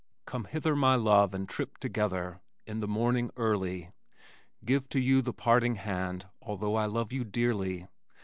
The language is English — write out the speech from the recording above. Come hither, my love, and trip together In the morning early, Give to you the parting hand Although I love you dearly.